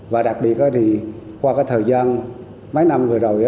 và đặc biệt thì qua cái thời gian mấy năm vừa rồi